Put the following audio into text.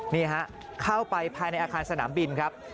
นี่ฮะเข้าไปภายในอาคารสนามบินครับ